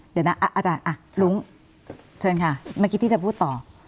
เดี๋ยวนะอาจารย์ลุ้งเชิญค่ะเมื่อกี้ที่จะพูดต่อ